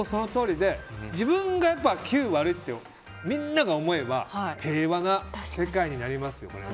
自分が９悪いってみんなが思えば平和な世界になりますよ。